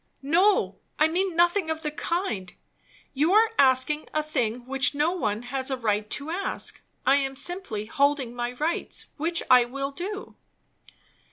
"No, I mean nothing of the kind. You are asking a thing which no one has a right to ask. I am simply holding my rights; which I will do."